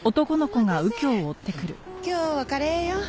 今日はカレーよ。